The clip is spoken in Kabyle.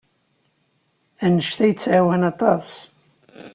Anect-a yettɛawan aṭas.